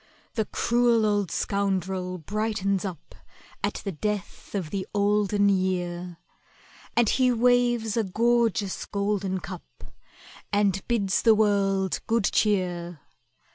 The cruel old scoundrel brightens up At the death of the Olden Year, And he waves a gorgeous golden cup, And bids the world good cheer.